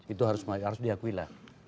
itu harus diakui lah